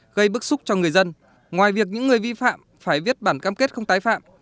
gây bức xúc cho người dân ngoài việc những người vi phạm phải viết bản cam kết không tái phạm